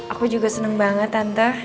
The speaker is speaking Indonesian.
aku juga senang banget tante